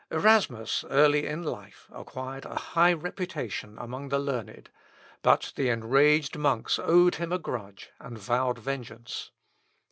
Erasmus, early in life, acquired a high reputation among the learned, but the enraged monks owed him a grudge, and vowed vengeance.